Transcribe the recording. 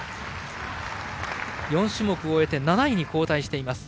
４種目を終えて７位に後退しています。